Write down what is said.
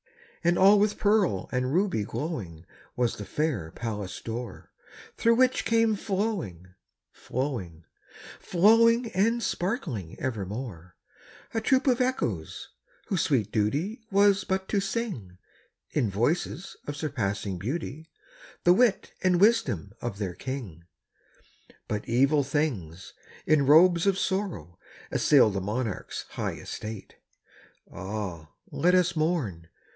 And all with pearl and ruby glowing Was the fair palace door, Through which came flowing, flowing, flowing, And sparkling evermore, A troop of Echoes, whose sweet duty Was but to sing, In voices of surpassing beauty, The wit and wisdom of their king. But evil things, in robes of sorrow, Assailed the monarch's high estate. (Ah, let us mourn!